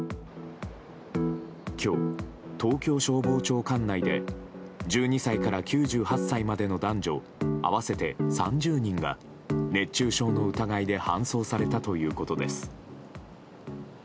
今日、東京消防庁管内で１２歳から９８歳までの男女合わせて３０人が熱中症の疑いで搬送されたということです。